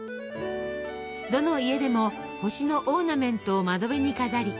どの家でも星のオーナメントを窓辺に飾り